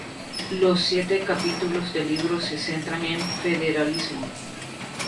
Los siete capítulos del libro se centran en el federalismo.